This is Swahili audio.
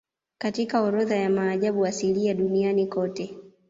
Katika orodha ya maajabu asilia duniani kote